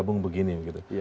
banyak bergabung begini